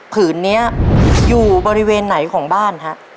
ผืนนี้อยู่บริเวณไหนของบ้านฮะ